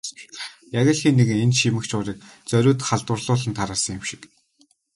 Яг л хэн нэг нь энэ шимэгч урыг зориуд халдварлуулан тараасан юм шиг.